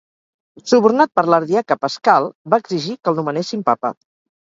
Subornat per l'ardiaca Paschal, va exigir que el nomenessin papa.